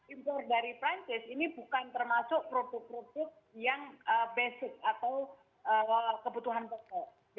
impor dari perancis ini bukan termasuk produk produk yang basic atau kebutuhan pokok